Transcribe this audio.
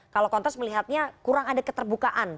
kalau kontes melihatnya kurang ada keterbukaan